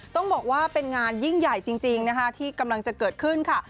ต้องบอกว่าเป็นงานยิ่งใหญ่จริงนะคะที่กำลังจะเกิดขึ้นค่ะ